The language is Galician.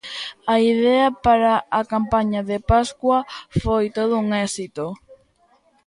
A idea para a campaña de Pascua foi todo un éxito.